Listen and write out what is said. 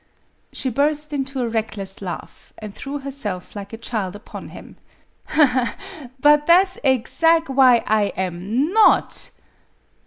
She burst into a reckless laugh, and threw herself like a child upon him. " But tha' 's ezag' why I am not!